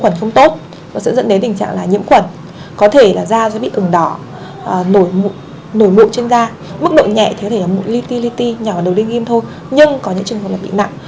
một trường hợp gặp biến chứng là mụn li ti li ti nhỏ ở đầu liên kim nhưng có những trường hợp bị nặng